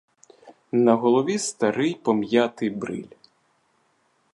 На голові старий, пом'ятий бриль.